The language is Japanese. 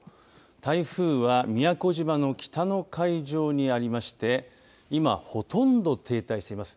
台風は宮古島の北の海上にありまして今ほとんど停滞しています。